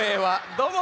どうも。